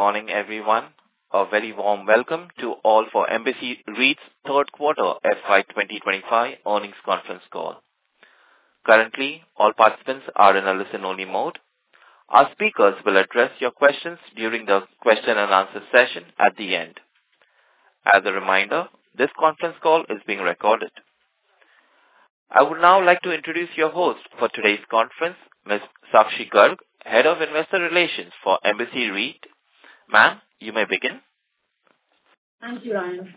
Morning, everyone. A very warm welcome to all for Embassy REIT's third quarter FY 2025 earnings conference call. Currently, all participants are in a listen-only mode. Our speakers will address your questions during the question-and-answer session at the end. As a reminder, this conference call is being recorded. I would now like to introduce your host for today's conference, Ms. Sakshi Garg, Head of Investor Relations for Embassy REIT. Ma'am, you may begin. Thank you, Ryan.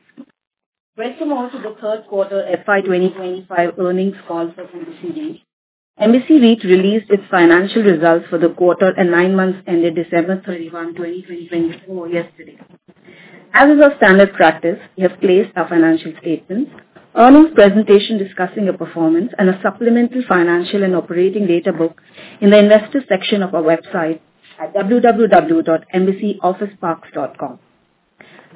Welcome all to the third quarter FY 2025 earnings call for Embassy REIT. Embassy REIT released its financial results for the quarter and nine months ended December 31, 2024, yesterday. As is our standard practice, we have placed our financial statements, earnings presentation discussing our performance, and a supplemental financial and operating data book in the investor section of our website at www.embassyofficeparks.com.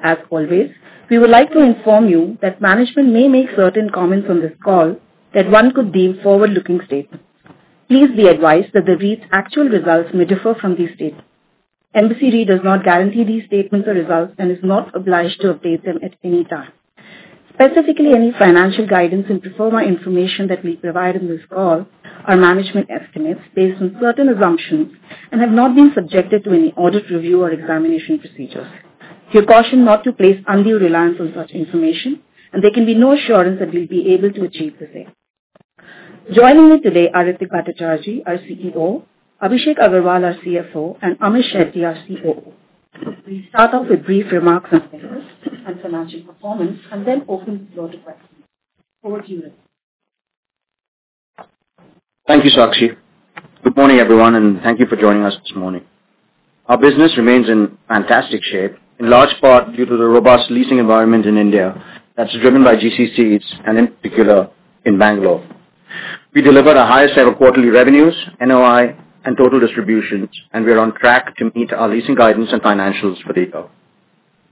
As always, we would like to inform you that management may make certain comments on this call that one could deem forward-looking statements. Please be advised that the REIT's actual results may differ from these statements. Embassy REIT does not guarantee these statements or results and is not obliged to update them at any time. Specifically, any financial guidance and pro forma information that we provide in this call are management estimates based on certain assumptions and have not been subjected to any audit review or examination procedures. We caution not to place undue reliance on such information, and there can be no assurance that we'll be able to achieve the same. Joining me today are Ritwik Bhattacharjee, our CEO, Abhishek Agrawal, our CFO, and Amit Shetty, our COO. We'll start off with brief remarks on business and financial performance and then open the floor to questions. Over to you, Ritwik. Thank you, Sakshi. Good morning, everyone, and thank you for joining us this morning. Our business remains in fantastic shape, in large part due to the robust leasing environment in India that's driven by GCCs, and in particular, in Bangalore. We deliver the highest-ever quarterly revenues, NOI, and total distributions, and we are on track to meet our leasing guidance and financials for the year.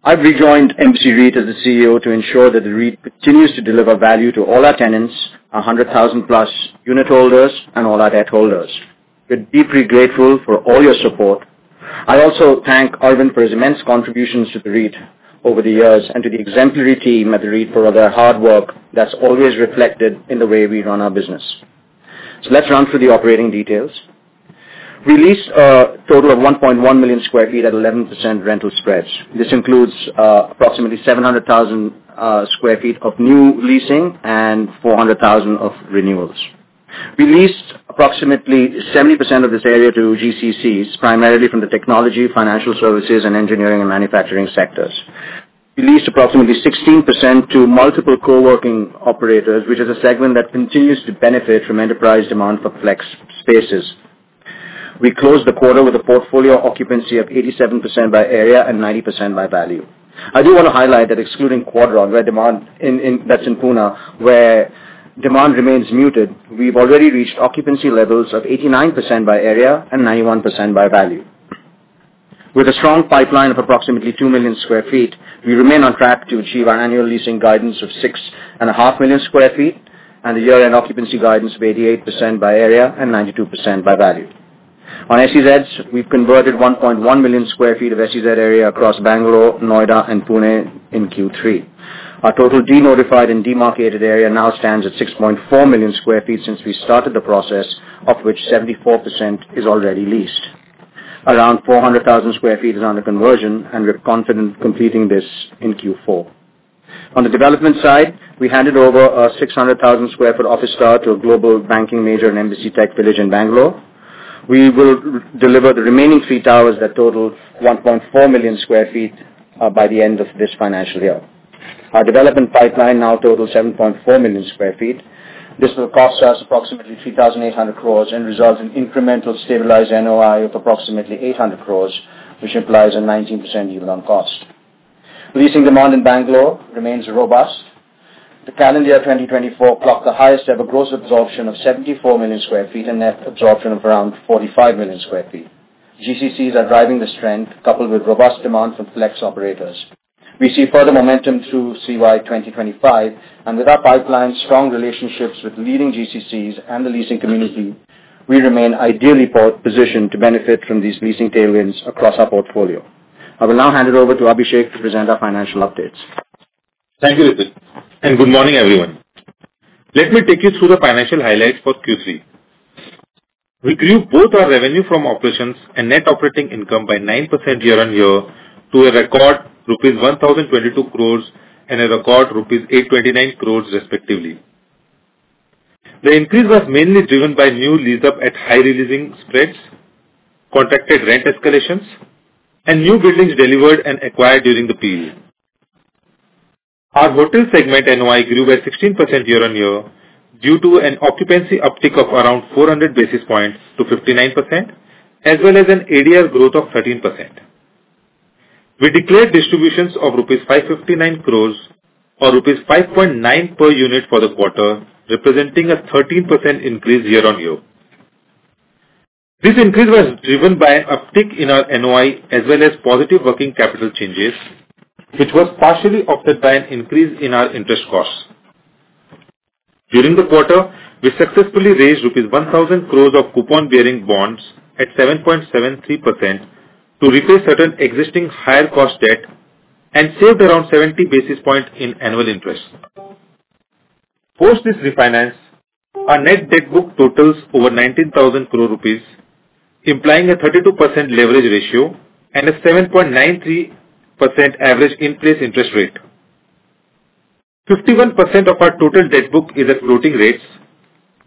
I've rejoined Embassy REIT as the CEO to ensure that the REIT continues to deliver value to all our tenants, our 100,000+ unit holders, and all our debt holders. We're deeply grateful for all your support. I also thank Arvind for his immense contributions to the REIT over the years and to the exemplary team at the REIT for their hard work that's always reflected in the way we run our business. So let's run through the operating details. We lease a total of 1.1 million sq ft at 11% rental spreads. This includes approximately 700,000 sq ft of new leasing and 400,000 sq ft of renewals. We lease approximately 70% of this area to GCCs, primarily from the technology, financial services, and engineering and manufacturing sectors. We lease approximately 16% to multiple co-working operators, which is a segment that continues to benefit from enterprise demand for flex spaces. We closed the quarter with a portfolio occupancy of 87% by area and 90% by value. I do want to highlight that excluding Quadron, that's in Pune, where demand remains muted, we've already reached occupancy levels of 89% by area and 91% by value. With a strong pipeline of approximately 2 million sq ft, we remain on track to achieve our annual leasing guidance of 6.5 million sq ft and a year-end occupancy guidance of 88% by area and 92% by value. On SEZs, we've converted 1.1 million sq ft of SEZ area across Bangalore, Noida, and Pune in Q3. Our total denotified and demarcated area now stands at 6.4 million sq ft since we started the process, of which 74% is already leased. Around 400,000 sq ft is under conversion, and we're confident completing this in Q4. On the development side, we handed over a 600,000 sq ft office space to a global banking major in Embassy TechVillage in Bangalore. We will deliver the remaining three towers that total 1.4 million sq ft by the end of this financial year. Our development pipeline now totals 7.4 million sq ft. This will cost us approximately 3,800 crores and result in incremental stabilized NOI of approximately 800 crores, which implies a 19% yield on cost. Leasing demand in Bangalore remains robust. The calendar year 2024 clocked the highest-ever gross absorption of 74 million sq ft and net absorption of around 45 million sq ft. GCCs are driving the strength, coupled with robust demand from flex operators. We see further momentum through CY 2025, and with our pipeline, strong relationships with leading GCCs and the leasing community, we remain ideally positioned to benefit from these leasing tailwinds across our portfolio. I will now hand it over to Abhishek to present our financial updates. Thank you, Ritwik. Good morning, everyone. Let me take you through the financial highlights for Q3. We grew both our revenue from operations and net operating income by 9% year-on-year to a record rupees 1,022 crores and a record rupees 829 crores, respectively. The increase was mainly driven by new lease-up at high releasing spreads, contracted rent escalations, and new buildings delivered and acquired during the period. Our hotel segment NOI grew by 16% year-on-year due to an occupancy uptick of around 400 basis points to 59%, as well as an ADR growth of 13%. We declared distributions of rupees 559 crores or rupees 5.9 per unit for the quarter, representing a 13% increase year-on-year. This increase was driven by an uptick in our NOI, as well as positive working capital changes, which was partially offset by an increase in our interest costs. During the quarter, we successfully raised 1,000 crores rupees of coupon-bearing bonds at 7.73% to replace certain existing higher-cost debt and saved around 70 basis points in annual interest. Post this refinance, our net debt book totals over 19,000 crores rupees, implying a 32% leverage ratio and a 7.93% average in place interest rate. 51% of our total debt book is at floating rates,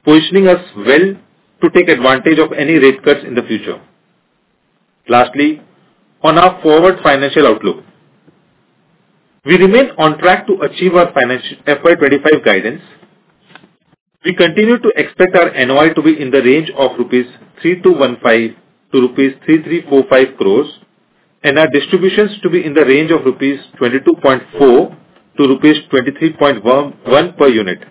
positioning us well to take advantage of any rate cuts in the future. Lastly, on our forward financial outlook, we remain on track to achieve our financial FY 2025 guidance. We continue to expect our NOI to be in the range of INR 3215 crores-INR 3345 crores and our distributions to be in the range of INR 22.4-INR 23.1 per unit.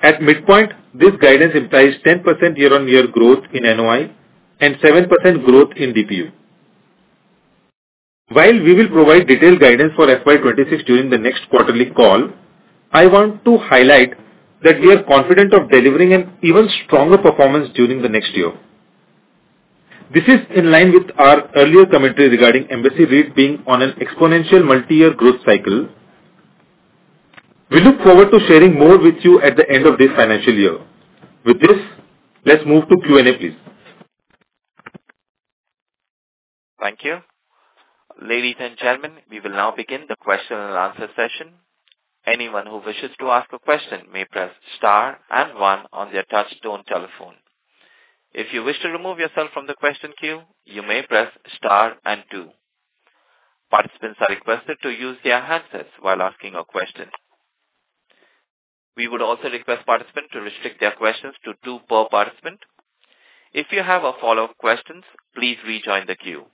At midpoint, this guidance implies 10% year-on-year growth in NOI and 7% growth in DPU. While we will provide detailed guidance for FY 2026 during the next quarterly call, I want to highlight that we are confident of delivering an even stronger performance during the next year. This is in line with our earlier commentary regarding Embassy REIT being on an exponential multi-year growth cycle. We look forward to sharing more with you at the end of this financial year. With this, let's move to Q&A, please. Thank you. Ladies and gentlemen, we will now begin the question-and-answer session. Anyone who wishes to ask a question may press star and one on their touch-tone telephone. If you wish to remove yourself from the question queue, you may press star and two. Participants are requested to use their handsets while asking a question. We would also request participants to restrict their questions to two per participant. If you have a follow-up question, please rejoin the queue.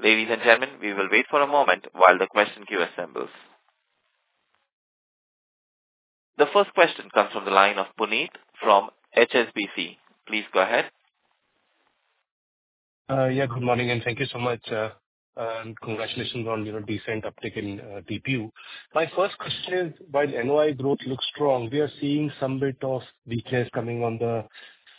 Ladies and gentlemen, we will wait for a moment while the question queue assembles. The first question comes from the line of Puneet from HSBC. Please go ahead. Yeah, good morning and thank you so much. Congratulations on a decent uptick in DPU. My first question is, while NOI growth looks strong, we are seeing some bit of weakness coming on the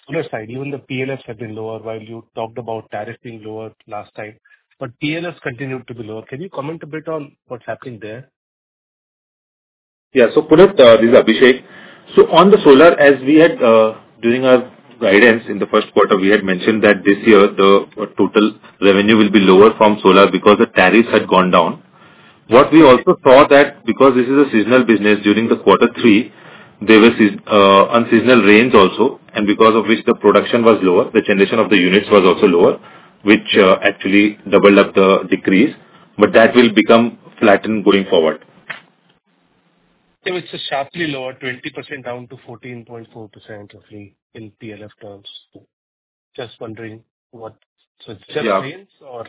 solar side. Even the PLFs have been lower while you talked about tariff being lowered last time. But PLFs continued to be lower. Can you comment a bit on what's happening there? Yeah, so Puneet, this is Abhishek. So on the solar, as we had during our guidance in the first quarter, we had mentioned that this year the total revenue will be lower from solar because the tariffs had gone down. What we also saw that because this is a seasonal business, during the quarter three, there were unseasonal rains also, and because of which the production was lower, the generation of the units was also lower, which actually doubled up the decrease. But that will become flattened going forward. It was sharply lower, 20% down to 14.4%, roughly, in PLF terms. Just wondering what's the difference or?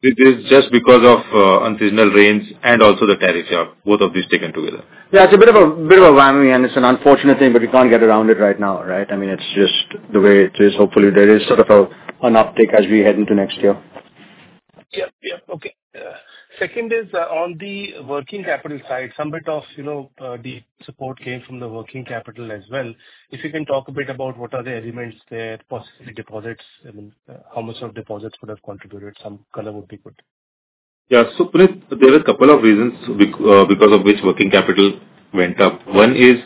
It is just because of unseasonal rains and also the tariffs, yeah, both of these taken together. Yeah, it's a bit of a whammy, and it's an unfortunate thing, but we can't get around it right now, right? I mean, it's just the way it is. Hopefully, there is sort of an uptick as we head into next year. Yeah, yeah. Okay. Second is, on the working capital side, some bit of the support came from the working capital as well. If you can talk a bit about what are the elements there, possibly deposits, how much of deposits would have contributed, some color would be good. Yeah, so Puneet, there are a couple of reasons because of which working capital went up. One is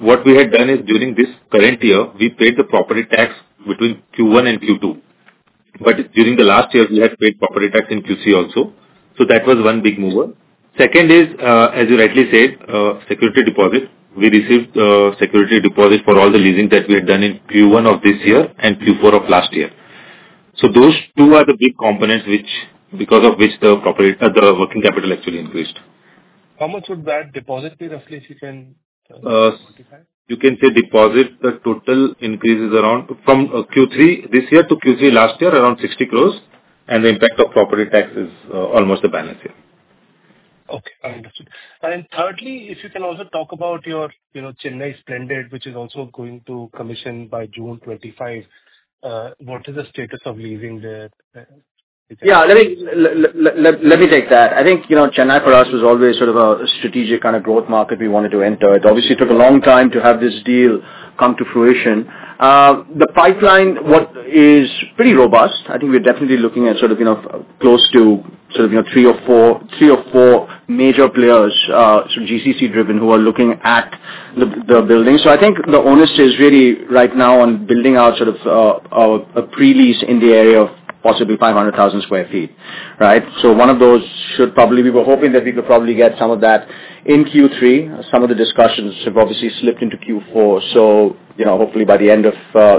what we had done is during this current year, we paid the property tax between Q1 and Q2. But during the last year, we had paid property tax in Q3 also. So that was one big mover. Second is, as you rightly said, security deposit. We received security deposit for all the leasing that we had done in Q1 of this year and Q4 of last year. So those two are the big components because of which the working capital actually increased. How much would that deposit be, roughly, if you can quantify? You can say deposit, the total increase is around from Q3 this year to Q3 last year, around 60 crores, and the impact of property tax is almost the balance here. Okay, I understood. And then thirdly, if you can also talk about your Chennai Splendid, which is also going to commission by June 25, what is the status of leasing there? Yeah, let me take that. I think Chennai for us was always sort of a strategic kind of growth market we wanted to enter. It obviously took a long time to have this deal come to fruition. The pipeline is pretty robust. I think we're definitely looking at sort of close to sort of three or four major players, sort of GCC-driven, who are looking at the building. So I think the onus is really right now on building out sort of a pre-lease in the area of possibly 500,000 sq ft, right? So one of those should probably be - we were hoping that we could probably get some of that in Q3. Some of the discussions have obviously slipped into Q4. So hopefully, by the end of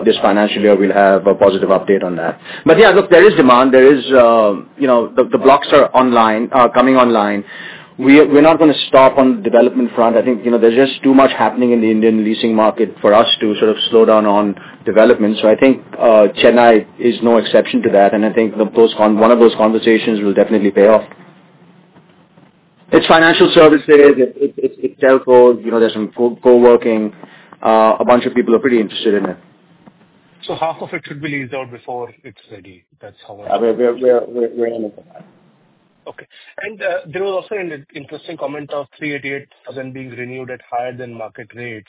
this financial year, we'll have a positive update on that. But yeah, look, there is demand. The blocks are coming online. We're not going to stop on the development front. I think there's just too much happening in the Indian leasing market for us to sort of slow down on development. So I think Chennai is no exception to that, and I think one of those conversations will definitely pay off. It's financial services, it's telcos, there's some co-working. A bunch of people are pretty interested in it. Half of it should be leased out before it's ready. That's how I understand. We're aiming for that. Okay. And there was also an interesting comment of 388,000 being renewed at higher than market rates.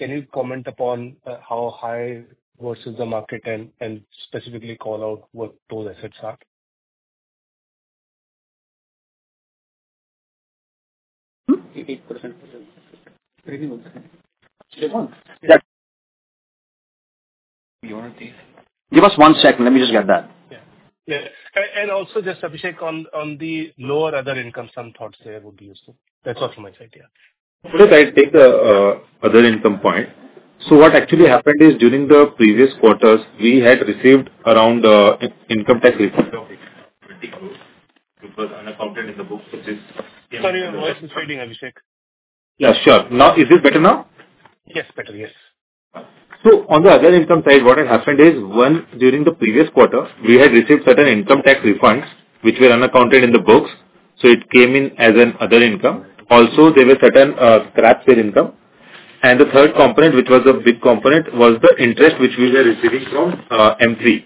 Can you comment upon how high versus the market and specifically call out what those assets are? Give us one second. Let me just get that. Yeah. And also just, Abhishek, on the lower other income, some thoughts there would be useful. That's all from my side, yeah. Puneet, I'll take the other income point. So what actually happened is during the previous quarters, we had received around income tax refund of INR 20 crores which was unaccounted in the books, which is. Sorry, your voice is fading, Abhishek. Yeah, sure. Now, is this better now? Yes, better, yes. So on the other income side, what had happened is, one, during the previous quarter, we had received certain income tax refunds which were unaccounted in the books, so it came in as other income. Also, there were certain scraps in income. And the third component, which was the big component, was the interest which we were receiving from M3.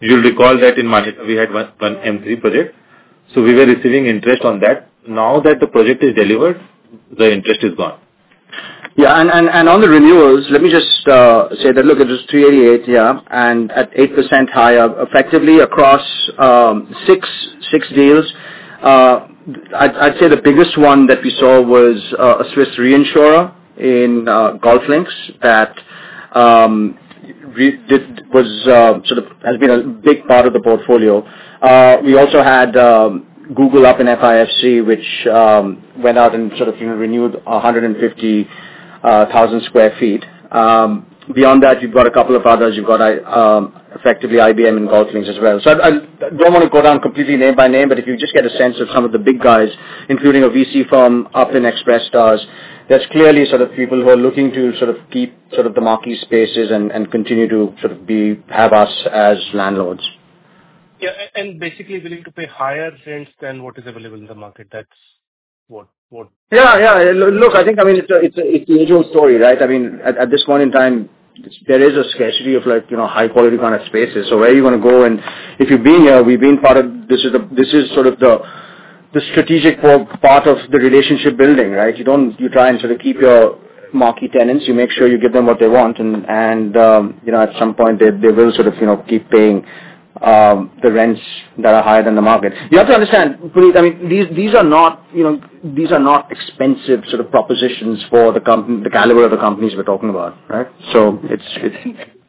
You'll recall that in Manyata, we had one M3 project. So we were receiving interest on that. Now that the project is delivered, the interest is gone. Yeah, and on the renewals, let me just say that, look, it was 388, yeah, and at 8% higher, effectively across six deals. I'd say the biggest one that we saw was a Swiss reinsurer in GolfLinks that sort of has been a big part of the portfolio. We also had Google up in FIFC, which went out and sort of renewed 150,000 sq ft. Beyond that, you've got a couple of others. You've got effectively IBM in GolfLinks as well. So I don't want to go down completely name by name, but if you just get a sense of some of the big guys, including a VC firm up in Express Towers, that's clearly sort of people who are looking to sort of keep sort of the marquee spaces and continue to sort of have us as landlords. Yeah, and basically willing to pay higher rents than what is available in the market. That's what. Yeah, yeah. Look, I think, I mean, it's the usual story, right? I mean, at this point in time, there is a scarcity of high-quality kind of spaces. So where are you going to go, and if you've been here, we've been part of this is sort of the strategic part of the relationship building, right? You try and sort of keep your marquee tenants. You make sure you give them what they want, and at some point, they will sort of keep paying the rents that are higher than the market. You have to understand, Puneet, I mean, these are not expensive sort of propositions for the caliber of the companies we're talking about, right? So it's.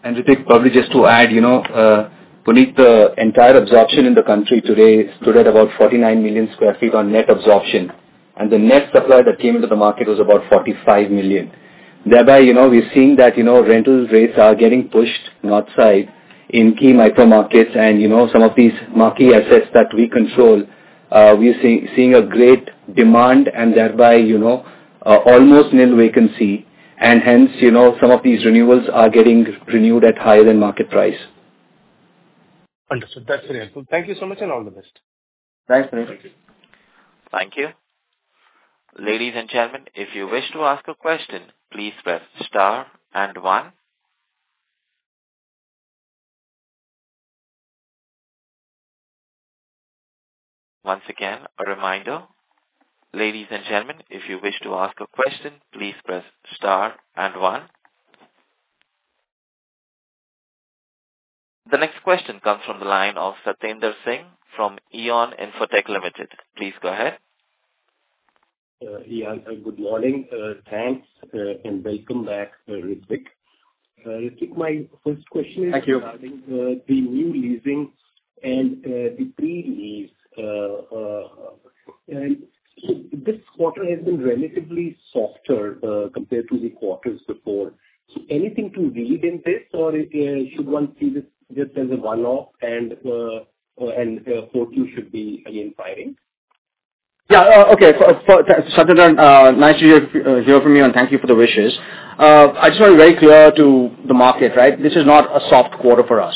Ritwik, probably just to add, Puneet, the entire absorption in the country today stood at about 49 million sq ft on net absorption, and the net supply that came into the market was about 45 million. Thereby, we're seeing that rental rates are getting pushed north side in key micro markets, and some of these marquee assets that we control, we're seeing a great demand, and thereby, almost nil vacancy, and hence, some of these renewals are getting renewed at higher than market price. Understood. That's very helpful. Thank you so much and all the best. Thanks, Puneet. Thank you. Thank you. Ladies and gentlemen, if you wish to ask a question, please press star and one. Once again, a reminder. Ladies and gentlemen, if you wish to ask a question, please press star and one. The next question comes from the line of Satendra Singh from AYN Infotech Limited. Please go ahead. Yeah, good morning. Thanks, and welcome back, Ritwik. Ritwik, my first question is regarding the new leasing and the pre-lease. This quarter has been relatively softer compared to the quarters before. Anything to read in this, or should one see this just as a one-off, and HOTU should be again firing? Yeah, okay. Satendra, nice to hear from you, and thank you for the wishes. I just want to be very clear to the market, right? This is not a soft quarter for us.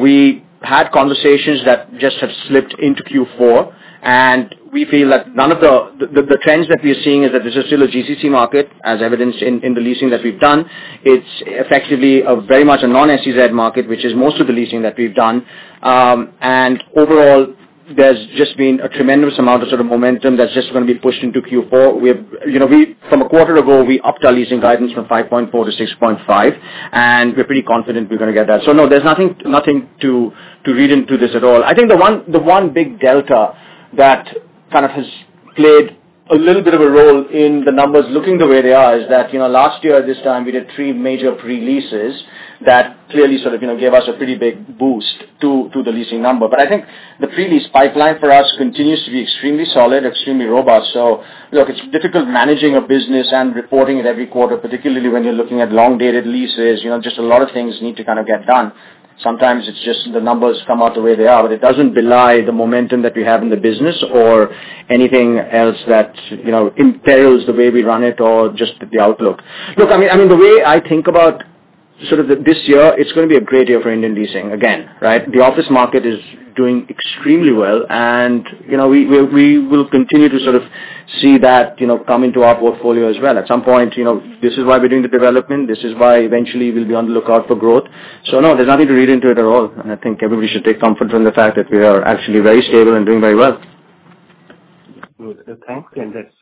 We had conversations that just have slipped into Q4, and we feel that none of the trends that we are seeing is that this is still a GCC market, as evidenced in the leasing that we've done. It's effectively very much a non-SEZ market, which is most of the leasing that we've done. And overall, there's just been a tremendous amount of sort of momentum that's just going to be pushed into Q4. From a quarter ago, we upped our leasing guidance from 5.4 to 6.5, and we're pretty confident we're going to get that. So no, there's nothing to read into this at all. I think the one big delta that kind of has played a little bit of a role in the numbers looking the way they are is that last year, at this time, we did three major pre-leases that clearly sort of gave us a pretty big boost to the leasing number. But I think the pre-lease pipeline for us continues to be extremely solid, extremely robust. So look, it's difficult managing a business and reporting it every quarter, particularly when you're looking at long-dated leases. Just a lot of things need to kind of get done. Sometimes it's just the numbers come out the way they are, but it doesn't belie the momentum that we have in the business or anything else that imperils the way we run it or just the outlook. Look, I mean, the way I think about sort of this year, it's going to be a great year for Indian leasing again, right? The office market is doing extremely well, and we will continue to sort of see that come into our portfolio as well. At some point, this is why we're doing the development. This is why eventually we'll be on the lookout for growth. So no, there's nothing to read into it at all. And I think everybody should take comfort from the fact that we are actually very stable and doing very well. Thanks, and that's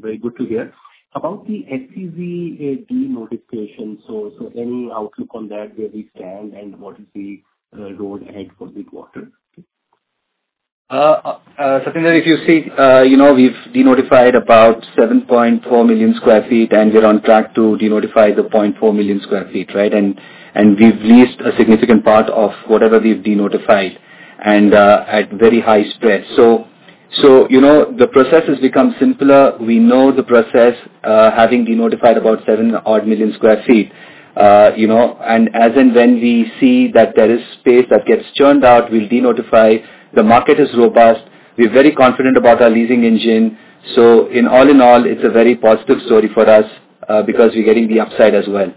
very good to hear. About the SEZ de-notification, so any outlook on that, where we stand, and what is the road ahead for the quarter? Satendra, if you see, we've de-notified about 7.4 million sq ft, and we're on track to de-notify the 0.4 million sq ft, right? And we've leased a significant part of whatever we've de-notified and at very high spread. So the process has become simpler. We know the process, having de-notified about 7 odd million sq ft. And as and when we see that there is space that gets churned out, we'll de-notify. The market is robust. We're very confident about our leasing engine. So all in all, it's a very positive story for us because we're getting the upside as well.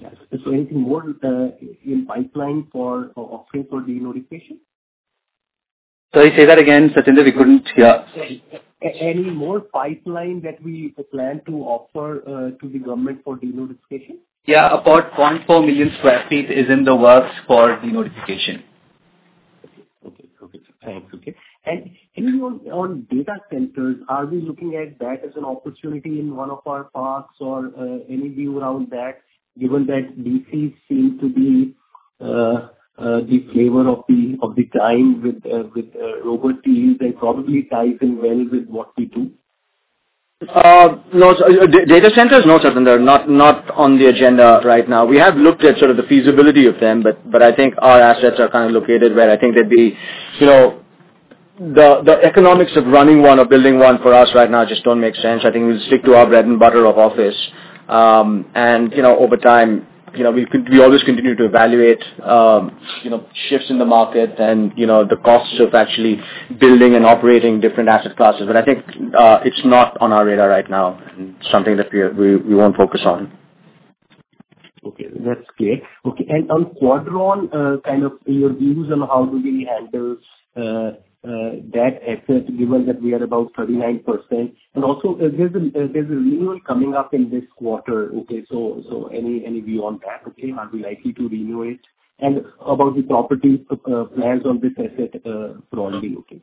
Yes. Is there anything more in pipeline for offering for de-notification? Sorry, say that again, Satendra. We couldn't hear. Any more pipeline that we plan to offer to the government for de-notification? Yeah, about 0.4 million sq ft is in the works for de-notification. Okay. Thanks. Any more on data centers? Are we looking at that as an opportunity in one of our parks or any view around that, given that DC seemed to be the flavor of the time with robot teams and probably ties in well with what we do? No, data centers? No, Satendra. Not on the agenda right now. We have looked at sort of the feasibility of them, but I think our assets are kind of located where I think that the economics of running one or building one for us right now just don't make sense. I think we'll stick to our bread and butter of office and over time we always continue to evaluate shifts in the market and the costs of actually building and operating different asset classes, but I think it's not on our radar right now, something that we won't focus on. Okay, that's clear. Okay. And on Quadron, kind of your views on how do we handle that asset, given that we are about 39%? And also, there's a renewal coming up in this quarter. Okay, so any view on that? Okay, are we likely to renew it? And about the property plans on this asset, broadly, okay?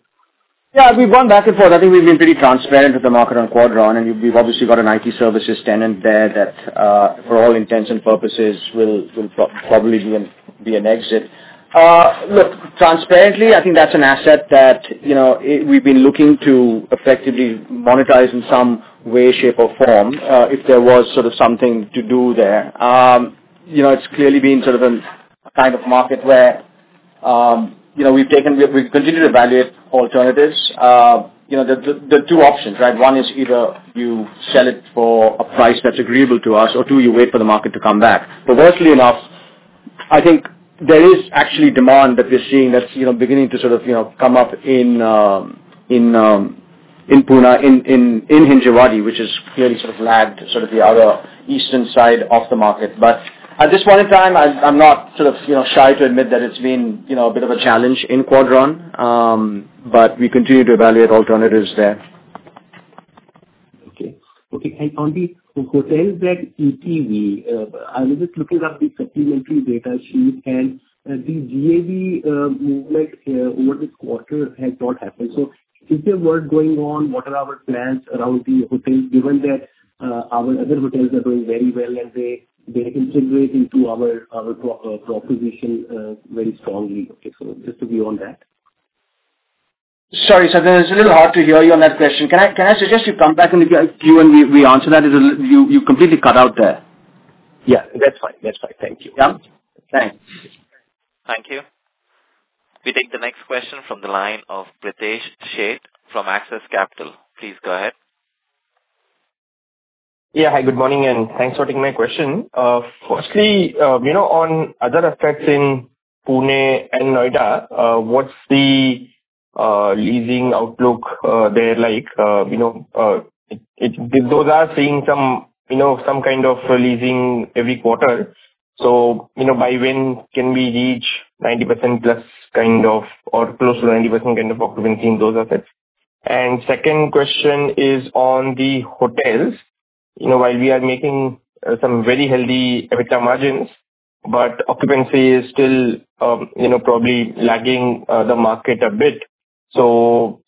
Yeah, we've gone back and forth. I think we've been pretty transparent with the market on Quadron, and we've obviously got an IT services tenant there that, for all intents and purposes, will probably be an exit. Look, transparently, I think that's an asset that we've been looking to effectively monetize in some way, shape, or form if there was sort of something to do there. It's clearly been sort of a kind of market where we've continued to evaluate alternatives. There are two options, right? One is either you sell it for a price that's agreeable to us, or two, you wait for the market to come back. But fortunately enough, I think there is actually demand that we're seeing that's beginning to sort of come up in Pune, in Hinjawadi, which is clearly sort of lagged sort of the other eastern side of the market. But at this point in time, I'm not sort of shy to admit that it's been a bit of a challenge in Quadron, but we continue to evaluate alternatives there. Okay. Okay. And on the hotels at ETV, I was just looking at the supplementary data sheet, and the GAV movement over this quarter has not happened. So is there work going on? What are our plans around the hotels, given that our other hotels are doing very well and they integrate into our proposition very strongly? Okay, so just a view on that. Sorry, Satendra, it's a little hard to hear you on that question. Can I suggest you come back and give you when we answer that? You completely cut out there. Yeah, that's fine. That's fine. Thank you. Yeah? Thanks. Thank you. We take the next question from the line of Pritesh Sheth from Axis Capital. Please go ahead. Yeah, hi, good morning, and thanks for taking my question. Firstly, on other assets in Pune and Noida, what's the leasing outlook there like? Those are seeing some kind of leasing every quarter. So by when can we reach 90%+ kind of or close to 90% kind of occupancy in those assets? And second question is on the hotels. While we are making some very healthy EBITDA margins, but occupancy is still probably lagging the market a bit. So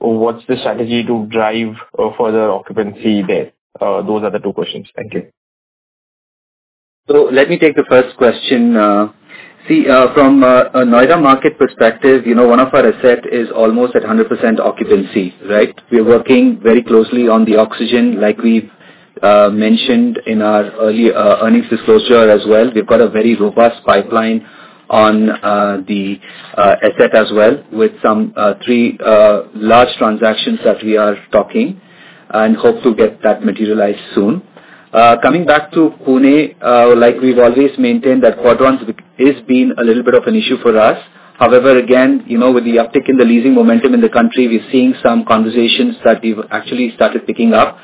what's the strategy to drive further occupancy there? Those are the two questions. Thank you. So let me take the first question. See, from a Noida market perspective, one of our assets is almost at 100% occupancy, right? We're working very closely on the oxygen, like we've mentioned in our earnings disclosure as well. We've got a very robust pipeline on the asset as well, with some three large transactions that we are talking to and hope to get that materialized soon. Coming back to Pune, like we've always maintained that Quadron is being a little bit of an issue for us. However, again, with the uptick in the leasing momentum in the country, we're seeing some conversations that we've actually started picking up.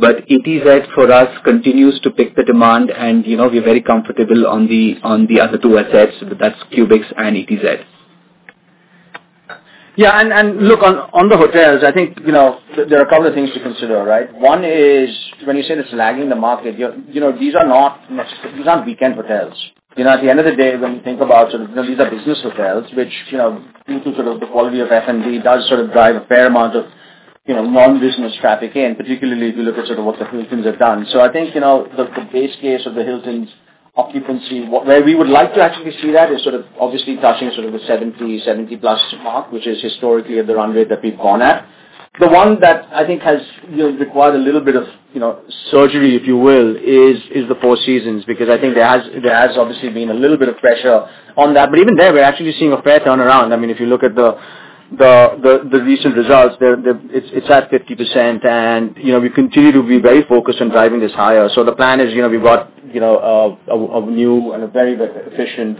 But ETV for us continues to pick up the demand, and we're very comfortable on the other two assets. That's Qubix and ETV. Yeah, and look, on the hotels, I think there are a couple of things to consider, right? One is, when you say it's lagging the market, these are not weekend hotels. At the end of the day, when you think about sort of these are business hotels, which due to sort of the quality of F&B does sort of drive a fair amount of non-business traffic in, particularly if you look at sort of what the Hiltons have done. So I think the base case of the Hiltons' occupancy, where we would like to actually see that, is sort of obviously touching sort of the 70, 70+ mark, which is historically at the run rate that we've gone at. The one that I think has required a little bit of surgery, if you will, is the Four Seasons, because I think there has obviously been a little bit of pressure on that. But even there, we're actually seeing a fair turnaround. I mean, if you look at the recent results, it's at 50%, and we continue to be very focused on driving this higher. So the plan is we've got a new and a very efficient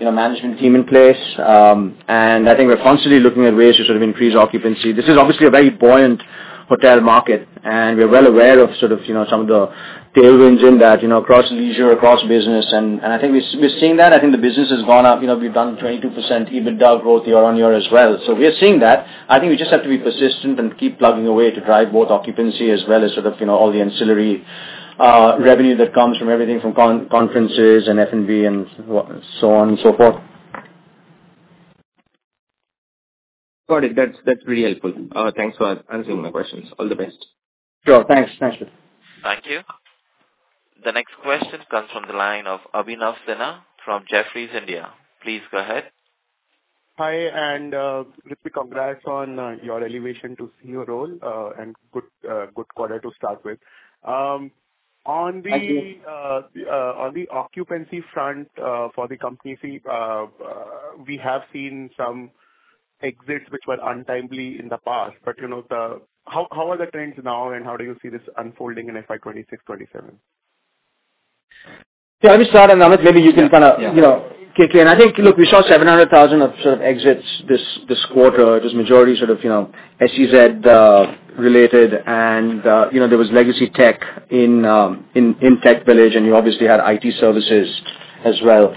management team in place, and I think we're constantly looking at ways to sort of increase occupancy. This is obviously a very buoyant hotel market, and we're well aware of sort of some of the tailwinds in that across leisure, across business, and I think we're seeing that. I think the business has gone up. We've done 22% EBITDA growth year on year as well. So we're seeing that. I think we just have to be persistent and keep plugging away to drive both occupancy as well as sort of all the ancillary revenue that comes from everything from conferences and F&B and so on and so forth. Got it. That's really helpful. Thanks for answering my questions. All the best. Sure. Thanks. Thanks, Seth. Thank you. The next question comes from the line of Abhinav Sinha from Jefferies India. Please go ahead. Hi, and Ritwik, congrats on your elevation to CEO role and good quarter to start with. On the occupancy front for the company, we have seen some exits which were untimely in the past, but how are the trends now, and how do you see this unfolding in FY 2026, 2027? Yeah, let me start, and then maybe you can kind of kick in. I think, look, we saw 700,000 of sort of exits this quarter. It was majority sort of SEZ-related, and there was legacy tech in TechVillage, and you obviously had IT services as well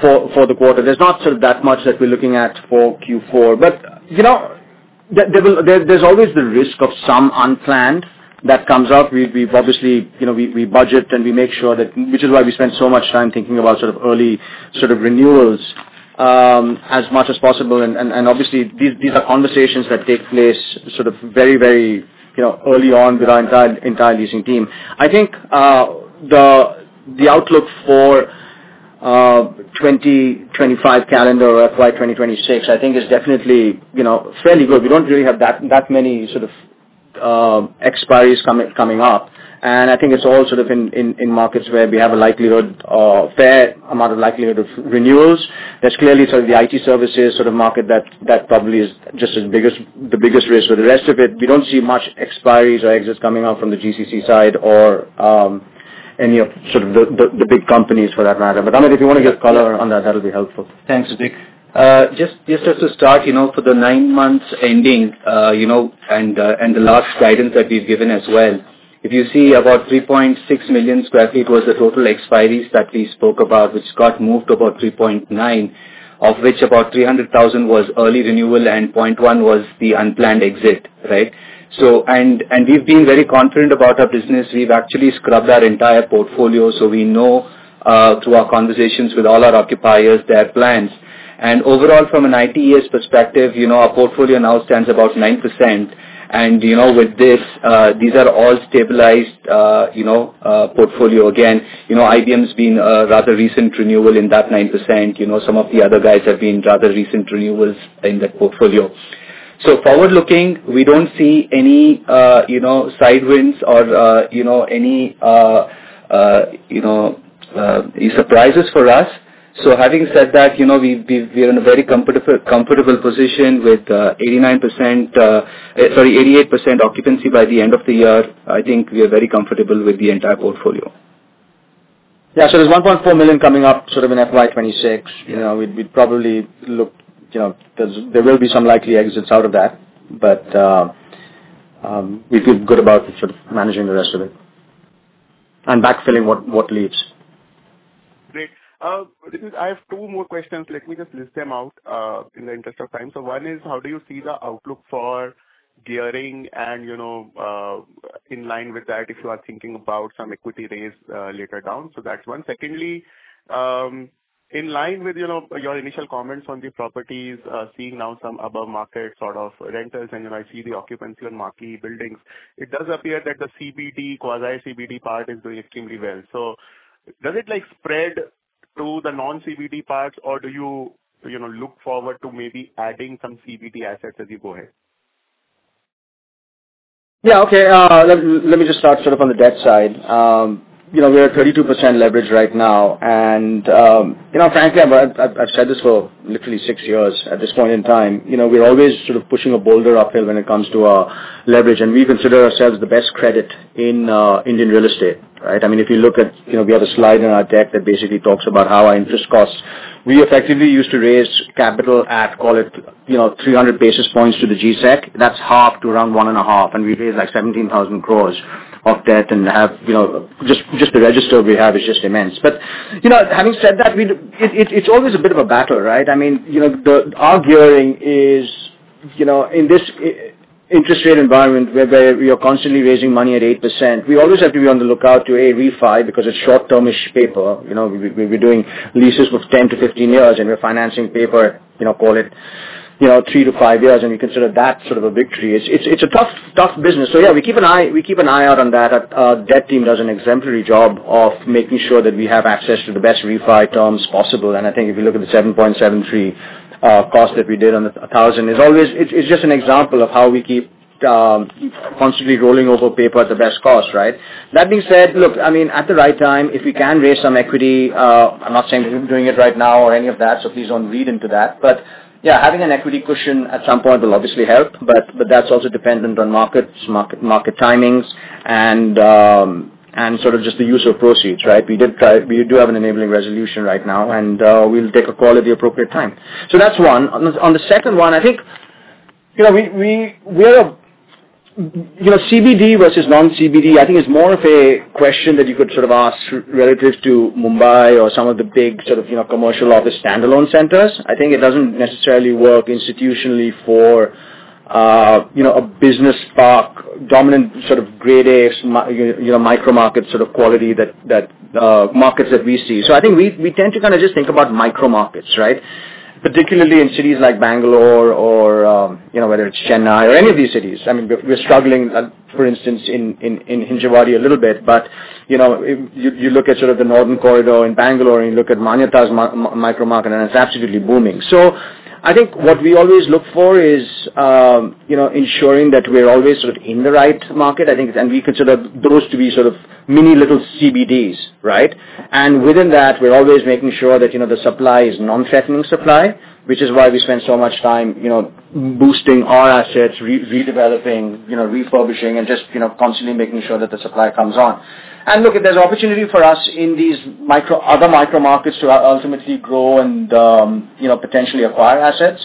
for the quarter. There's not sort of that much that we're looking at for Q4, but there's always the risk of some unplanned that comes up. We've obviously budgeted, and we make sure that, which is why we spend so much time thinking about sort of early sort of renewals as much as possible. And obviously, these are conversations that take place sort of very, very early on with our entire leasing team. I think the outlook for 2025 calendar or FY 2026, I think, is definitely fairly good. We don't really have that many sort of expiries coming up, and I think it's all sort of in markets where we have a fair amount of likelihood of renewals. There's clearly sort of the IT services sort of market that probably is just the biggest risk. So the rest of it, we don't see much expiries or exits coming up from the GCC side or any of sort of the big companies for that matter. But Amit, if you want to give color on that, that'll be helpful. Thanks, Ritwik. Just to start, for the nine months ending and the last guidance that we've given as well, if you see about 3.6 million sq ft was the total expiries that we spoke about, which got moved to about 3.9 million sq ft, of which about 300,000 was early renewal and 0.1 was the unplanned exit, right? And we've been very confident about our business. We've actually scrubbed our entire portfolio, so we know through our conversations with all our occupiers their plans. And overall, from an ITES perspective, our portfolio now stands about 9%. And with this, these are all stabilized portfolio. Again, IBM's been a rather recent renewal in that 9%. Some of the other guys have been rather recent renewals in that portfolio. So forward-looking, we don't see any headwinds or any surprises for us. So having said that, we're in a very comfortable position with 89%, sorry, 88% occupancy by the end of the year. I think we are very comfortable with the entire portfolio. Yeah, so there's 1.4 million coming up sort of in FY 2026. We'd probably look there will be some likely exits out of that, but we feel good about sort of managing the rest of it and backfilling what leaves. Great. I have two more questions. Let me just list them out in the interest of time. So one is, how do you see the outlook for gearing? And in line with that, if you are thinking about some equity raise later down, so that's one. Secondly, in line with your initial comments on the properties, seeing now some above-market sort of rentals and I see the occupancy on marquee buildings, it does appear that the CBD, Quadron CBD part is doing extremely well. So does it spread to the non-CBD parts, or do you look forward to maybe adding some CBD assets as you go ahead? Yeah, okay. Let me just start sort of on the debt side. We are at 32% leverage right now. And frankly, I've said this for literally six years at this point in time. We're always sort of pushing a boulder uphill when it comes to our leverage, and we consider ourselves the best credit in Indian real estate, right? I mean, if you look at we have a slide in our deck that basically talks about how our interest costs. We effectively used to raise capital at, call it 300 basis points to the G-Sec. That's half to around one and a half, and we raised like 17,000 crores of debt and have just the register we have is just immense. But having said that, it's always a bit of a battle, right? I mean, our gearing is in this interest rate environment where we are constantly raising money at 8%. We always have to be on the lookout to a refi, because it's short-term-ish paper. We're doing leases for 10-15 years, and we're financing paper, call it 3-5 years, and we consider that sort of a victory. It's a tough business. So yeah, we keep an eye out on that. Our debt team does an exemplary job of making sure that we have access to the best refi terms possible. And I think if you look at the 7.73% cost that we did on the 1,000, it's just an example of how we keep constantly rolling over paper at the best cost, right? That being said, look, I mean, at the right time, if we can raise some equity, I'm not saying that we're doing it right now or any of that, so please don't read into that. But yeah, having an equity cushion at some point will obviously help, but that's also dependent on market timings and sort of just the use of proceeds, right? We do have an enabling resolution right now, and we'll take a call at the appropriate time. So that's one. On the second one, I think we are a CBD versus non-CBD, I think it's more of a question that you could sort of ask relative to Mumbai or some of the big sort of commercial office standalone centers. I think it doesn't necessarily work institutionally for a business park, dominant sort of grade A micro-market sort of quality that markets that we see. So I think we tend to kind of just think about micro-markets, right? Particularly in cities like Bangalore or whether it's Chennai or any of these cities. I mean, we're struggling, for instance, in Hinjawadi a little bit, but you look at sort of the Northern Corridor in Bangalore, and you look at Manyata's micro-market, and it's absolutely booming. So I think what we always look for is ensuring that we're always sort of in the right market, and we consider those to be sort of mini little CBDs, right? And within that, we're always making sure that the supply is non-threatening supply, which is why we spend so much time boosting our assets, redeveloping, refurbishing, and just constantly making sure that the supply comes on. And look, if there's opportunity for us in these other micro-markets to ultimately grow and potentially acquire assets,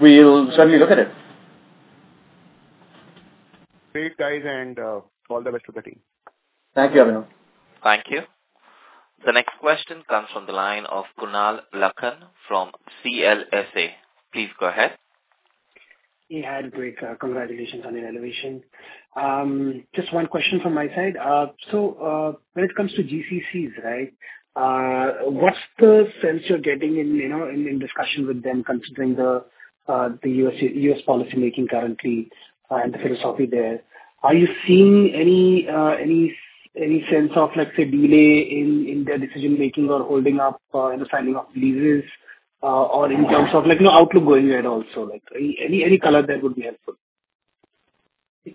we'll certainly look at it. Great, guys, and all the best to the team. Thank you, everyone. Thank you. The next question comes from the line of Kunal Lakhan from CLSA. Please go ahead. Hey, Ritwik. Congratulations on your elevation. Just one question from my side. So when it comes to GCCs, right, what's the sense you're getting in discussion with them considering the U.S. policymaking currently and the philosophy there? Are you seeing any sense of, let's say, delay in their decision-making or holding up in the signing of leases or in terms of outlook going ahead also? Any color there would be helpful.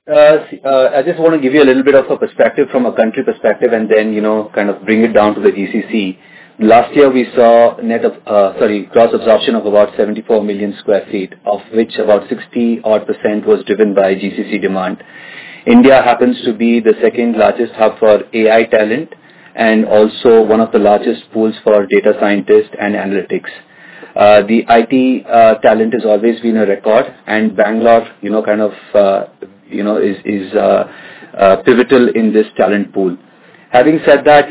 I just want to give you a little bit of a perspective from a country perspective and then kind of bring it down to the GCC. Last year, we saw net of, sorry, gross absorption of about 74 million sq ft, of which about 60-odd% was driven by GCC demand. India happens to be the second largest hub for AI talent and also one of the largest pools for data scientists and analytics. The IT talent has always been a record, and Bangalore kind of is pivotal in this talent pool. Having said that,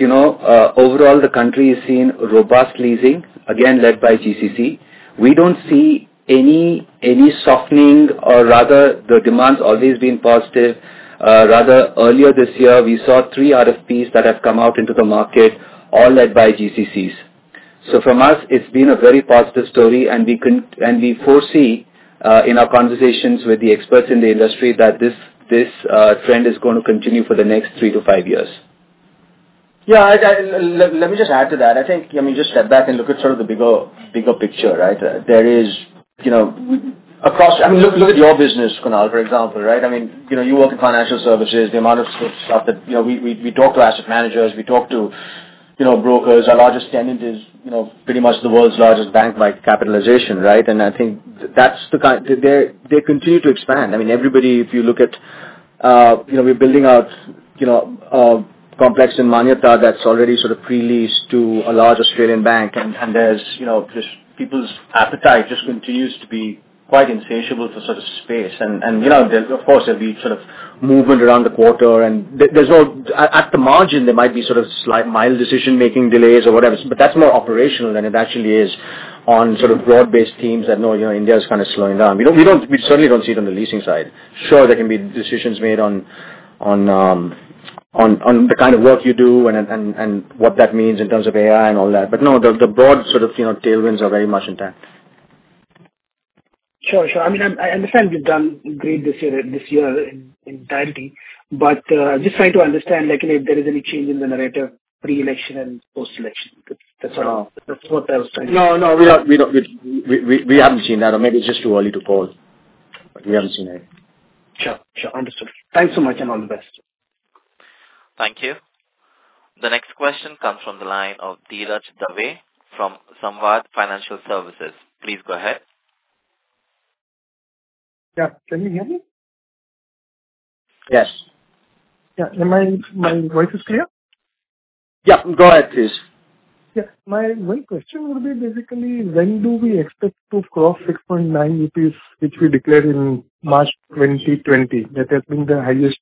overall, the country is seeing robust leasing, again, led by GCC. We don't see any softening, or rather, the demand's always been positive. Rather, earlier this year, we saw three RFPs that have come out into the market, all led by GCCs. So for us, it's been a very positive story, and we foresee in our conversations with the experts in the industry that this trend is going to continue for the next three to five years. Yeah, let me just add to that. I think, I mean, just step back and look at sort of the bigger picture, right? There is across. I mean, look at your business, Kunal, for example, right? I mean, you work in financial services. The amount of stuff that we talk to asset managers, we talk to brokers. Our largest tenant is pretty much the world's largest bank by capitalization, right? And I think that's the kind they continue to expand. I mean, everybody, if you look at we're building out a complex in Manyata that's already sort of pre-leased to a large Australian bank, and there's just people's appetite just continues to be quite insatiable for sort of space. And of course, there'll be sort of movement around the quarter, and there's no at the margin, there might be sort of mild decision-making delays or whatever, but that's more operational than it actually is on sort of broad-based teams that know India is kind of slowing down. We certainly don't see it on the leasing side. Sure, there can be decisions made on the kind of work you do and what that means in terms of AI and all that, but no, the broad sort of tailwinds are very much intact. Sure, sure. I mean, I understand you've done great this year entirely, but I'm just trying to understand if there is any change in the narrative pre-election and post-election. That's what I was trying to. No, no, we haven't seen that, or maybe it's just too early to call, but we haven't seen it. Sure, sure. Understood. Thanks so much and all the best. Thank you. The next question comes from the line of Dheeraj Dave from Samvad Financial Services. Please go ahead. Yeah, can you hear me? Yes. Yeah, my voice is clear? Yeah, go ahead, please. Yeah, my one question would be basically, when do we expect to cross 6.9 rupees, which we declared in March 2020, that has been the highest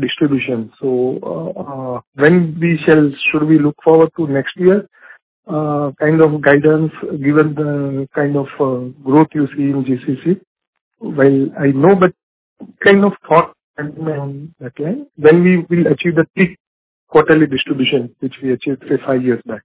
distribution? So when should we look forward to next year? Kind of guidance given the kind of growth you see in GCC? Well, I know, but kind of thought on that line, when we will achieve the peak quarterly distribution, which we achieved, say, five years back?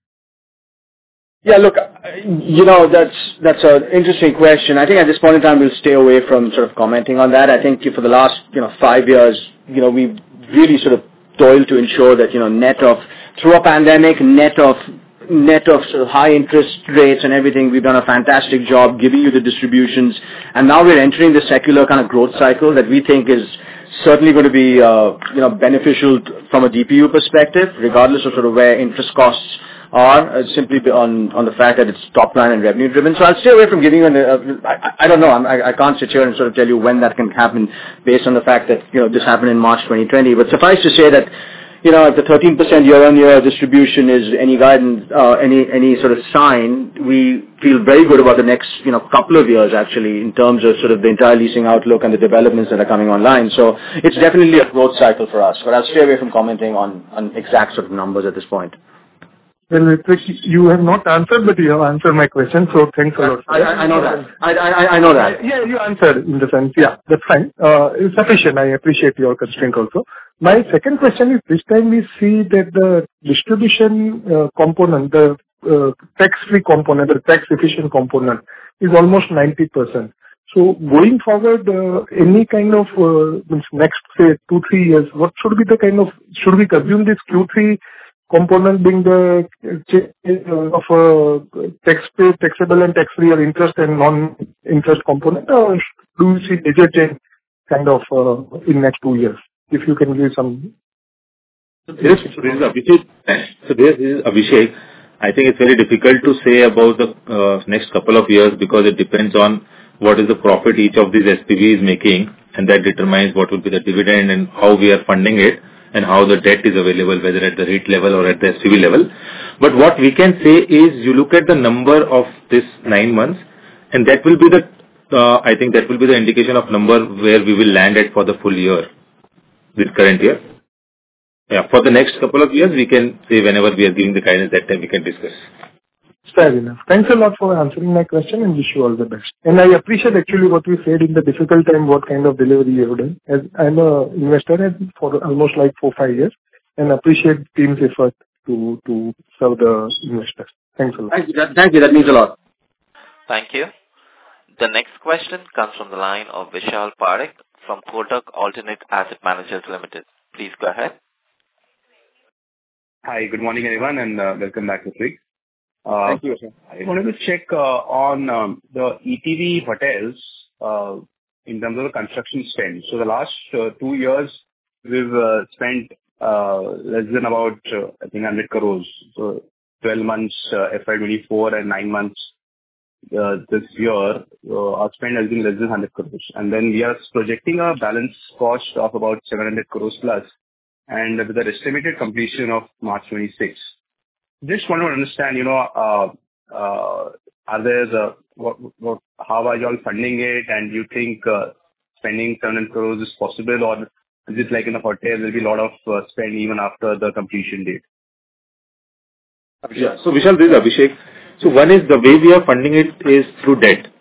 Yeah, look, that's an interesting question. I think at this point in time, we'll stay away from sort of commenting on that. I think for the last five years, we've really sort of toiled to ensure that net of through a pandemic, net of sort of high interest rates and everything, we've done a fantastic job giving you the distributions, and now we're entering the secular kind of growth cycle that we think is certainly going to be beneficial from a DPU perspective, regardless of sort of where interest costs are, simply on the fact that it's top-down and revenue-driven. So I'll stay away from giving you an "I don't know." I can't sit here and sort of tell you when that can happen based on the fact that this happened in March 2020. But suffice to say that if the 13% year-on-year distribution is any sort of sign, we feel very good about the next couple of years, actually, in terms of sort of the entire leasing outlook and the developments that are coming online. So it's definitely a growth cycle for us, but I'll stay away from commenting on exact sort of numbers at this point. Ritwik, you have not answered, but you have answered my question, so thanks a lot. I know that. I know that. Yeah, you answered in the sense. Yeah, that's fine. It's sufficient. I appreciate your constraint also. My second question is, this time we see that the distribution component, the tax-free component, the tax-efficient component is almost 90%. So going forward, any kind of next, say, two, three years, what should be the kind of should we continue this Q3 component being the taxable and tax-free or interest and non-interest component? Or do you see major change kind of in the next two years? If you can give some. So this is Abhishek. I think it's very difficult to say about the next couple of years because it depends on what is the profit each of these SPVs making, and that determines what will be the dividend and how we are funding it and how the debt is available, whether at the REIT level or at the SPV level. But what we can say is you look at the number of this nine months, and that will be the I think that will be the indication of number where we will land at for the full year this current year. Yeah, for the next couple of years, we can say whenever we are giving the guidance, that time we can discuss. Fair enough. Thanks a lot for answering my question, and wish you all the best, and I appreciate, actually, what you said in the difficult time, what kind of delivery you have done. I'm an investor for almost like four, five years and appreciate team's effort to serve the investors. Thanks a lot. Thank you. Thank you. That means a lot. Thank you. The next question comes from the line of Vishal Parekh from Kotak Alternate Asset Managers Limited. Please go ahead. Hi, good morning, everyone, and welcome back to Ritwik. Thank you. I wanted to check on the ETV hotels in terms of the construction spend. So the last two years, we've spent less than about, I think, 100 crores. So 12 months FY 2024 and 9 months this year, our spend has been less than 100 crores. And then we are projecting a balance cost of about 700 crores+, and with an estimated completion of March 2026. Just wanted to understand how are you all funding it? And do you think spending 700 crores is possible, or is it like in the hotels, there'll be a lot of spend even after the completion date? Yeah, so Vishal, this is Abhishek. So one is the way we are funding it is through debt,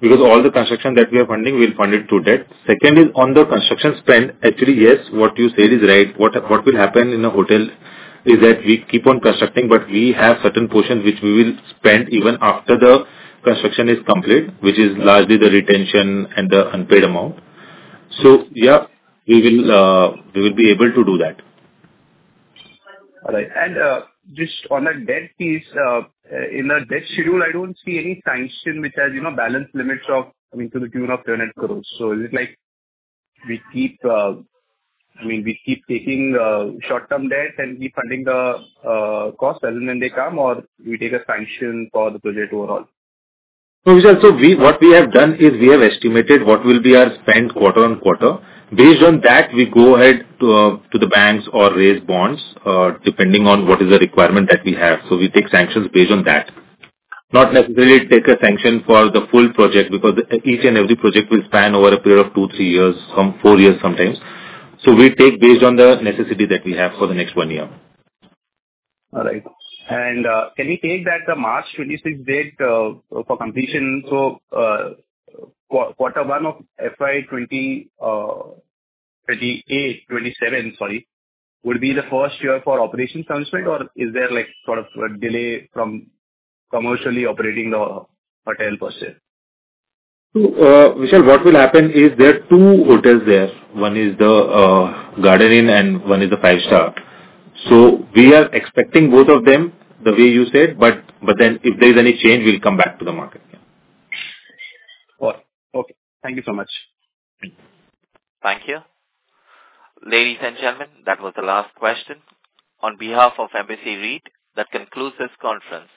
because all the construction that we are funding, we'll fund it through debt. Second is on the construction spend, actually, yes, what you said is right. What will happen in a hotel is that we keep on constructing, but we have certain portions which we will spend even after the construction is complete, which is largely the retention and the unpaid amount. So yeah, we will be able to do that. All right. And just on that debt piece, in the debt schedule, I don't see any sanction which has balance limits of, I mean, to the tune of 700 crores. So is it like we keep, I mean, we keep taking short-term debt and keep funding the cost as and when they come, or we take a sanction for the project overall? So Vishal, what we have done is we have estimated what will be our spend quarter on quarter. Based on that, we go ahead to the banks or raise bonds depending on what is the requirement that we have. So we take sanctions based on that. Not necessarily take a sanction for the full project because each and every project will span over a period of two, three years, some four years sometimes. So we take based on the necessity that we have for the next one year. All right. And can we take that the March 2026 date for completion? So quarter one of FY 2028, 2027, sorry, would be the first year for operations management, or is there sort of a delay from commercially operating the hotel per se? Vishal, what will happen is there are two hotels there. One is the Hilton Garden Inn and one is the Four Seasons. We are expecting both of them the way you said, but then if there is any change, we'll come back to the market. All right. Okay. Thank you so much. Thank you. Ladies and gentlemen, that was the last question. On behalf of Embassy REIT, that concludes this conference.